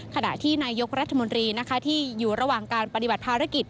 ขณะที่นายกรัฐมนตรีที่อยู่ระหว่างการปฏิบัติภารกิจ